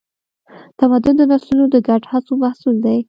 تمدن د نسلونو د ګډو هڅو محصول دی.